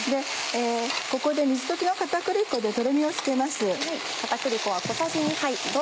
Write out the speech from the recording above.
ここで水溶き片栗粉でトロミをつけます。